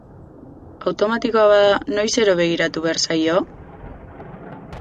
Automatikoa bada, noizero begiratu behar zaio?